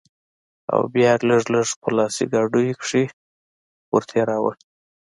او بيا به يې لږ لږ په لاسي ګاډيو کښې ورتېراوه.